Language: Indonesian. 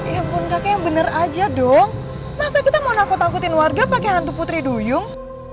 ya ampun kakek yang benar aja dong masa kita mau nakut nakutin warga pakai hantu putri duyung